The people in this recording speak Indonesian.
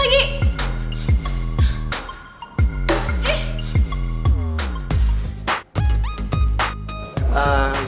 disuruh bayarin lagi